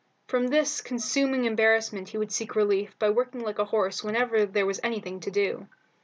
From this consuming embarrassment he would seek relief by working like a horse whenever there was anything to do.